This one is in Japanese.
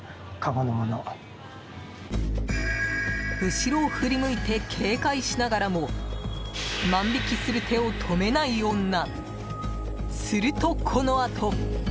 後ろを振り向いて警戒しながらも万引きする手を止めない女。